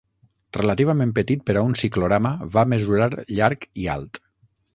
Relativament petit per a un ciclorama, va mesurar llarg i alt.